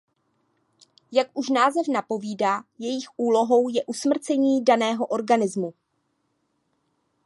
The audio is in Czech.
Jak už název napovídá jejich úlohou je usmrcení daného organizmu.